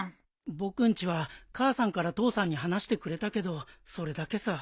僕んちは母さんから父さんに話してくれたけどそれだけさ。